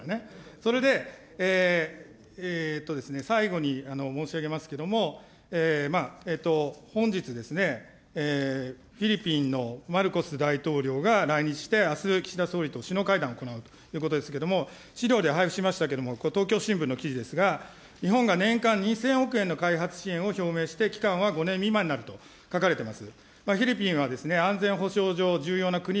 それで最後に申し上げますけれども、本日、フィリピンのマルコス大統領が来日して、あす、岸田総理と首脳会談を行うということですけれども、資料で配布しましたけれども、東京新聞の記事ですが、日本が年間２０００億円の開発支援を表明して、期間は５年未満になると書かれてます。